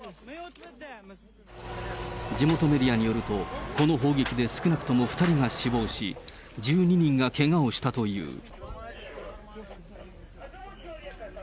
地元メディアによると、この砲撃で少なくとも２人が死亡し、１２人がけがをしたという。